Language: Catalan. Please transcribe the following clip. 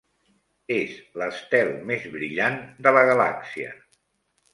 És l'estel més brillant de la galàxia.